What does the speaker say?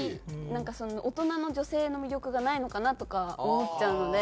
なんかその大人の女性の魅力がないのかなとか思っちゃうので。